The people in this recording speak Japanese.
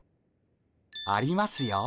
ありますよ